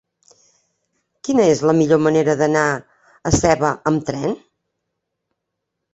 Quina és la millor manera d'anar a Seva amb tren?